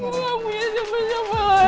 gue gak punya siapa siapa lagi